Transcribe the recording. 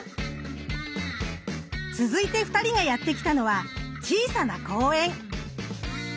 続いて２人がやって来たのは小さな公園。